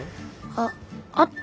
あっあった！